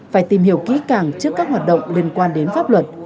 phải tìm hiểu kỹ càng trước các hoạt động liên quan đến pháp luật